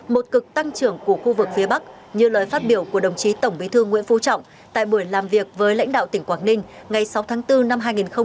một cực tăng trưởng của khu vực phía bắc như lời phát biểu của đồng chí tổng bí thư nguyễn phú trọng tại buổi làm việc với lãnh đạo tỉnh quảng ninh ngày sáu tháng bốn năm hai nghìn hai mươi